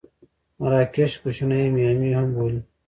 مراکش کوشنۍ میامي هم بولي.